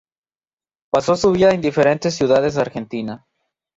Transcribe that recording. Pasó su vida en diferentes ciudades de Argentina.